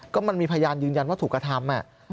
ก็มันมีพยานยืนยันว่าถูกกระทำ